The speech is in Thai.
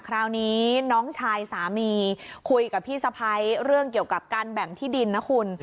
คราวนี้น้องชายสามีคุยกับพี่สะพ้ายเรื่องเกี่ยวกับการแบ่งที่ดินนะคุณ